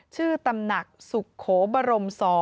ชื่อตำหนักสุโขบรม๒